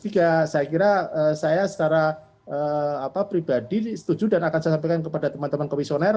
saya kira saya secara pribadi setuju dan akan saya sampaikan kepada teman teman komisioner